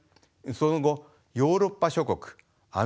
その後ヨーロッパ諸国アメリカ